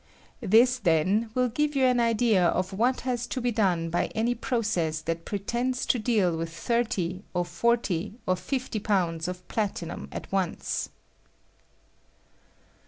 This, then, will give you an idea of what has to be done by any process that pretends to deal with thir ty, or forty, or fifty pounds of platinum at once.